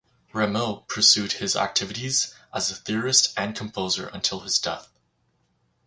Rameau pursued his activities as a theorist and composer until his death.